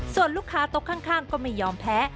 ส่วนลูกค้าโต๊ะข้างก็ไม่ยอมแพ้